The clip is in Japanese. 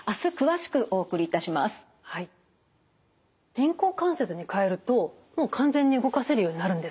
人工関節に換えるともう完全に動かせるようになるんですか？